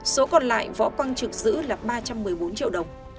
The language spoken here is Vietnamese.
số còn lại võ quang trực giữ là ba trăm một mươi bốn triệu đồng